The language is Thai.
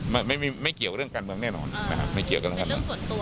ไม่เกี่ยวกับเรื่องการเมืองแน่นอนนะครับไม่เกี่ยวกับเรื่องการเมือง